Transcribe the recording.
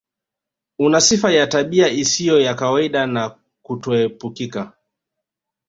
Una sifa ya tabia isiyo ya kawaida na kutoepukika